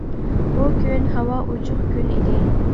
ئۇ كۈن ھاۋا ئوچۇق كۈن ئىدى.